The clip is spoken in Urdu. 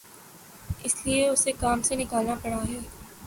اس لیے اُسے کام سے نکالنا پڑا ہے